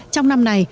trong năm này